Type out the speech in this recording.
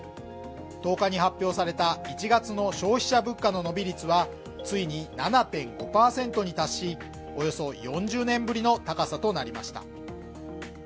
１０日に発表された１月の消費者物価の伸び率はついに７．５％に達し、およそ４０年ぶりの高さとなりました。